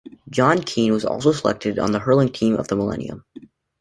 John Keane was also selected on the hurling team of the millennium.